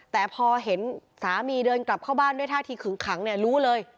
แต่พอเห็นสามีเดินกลับเข้าบ้านด้วยท่าทีขึงขังเนี่ยรู้เลย